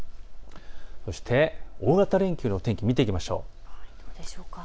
そして大型連休の天気を見ていきましょう。